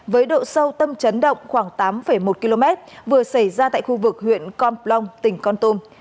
với độ sâu tâm chấn động khoảng tám một km vừa xảy ra tại khu vực huyện con plong tỉnh con tum